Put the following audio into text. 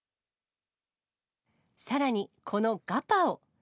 さらに、このガパオ。